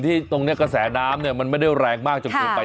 ที่ตรงนี้กระแสน้ำเนี่ยมันไม่ได้แรงมากจนจบไป